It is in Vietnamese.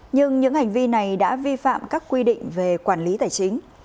nhưng những hành vi này đã vi phạm các quy định về quản lý tài chính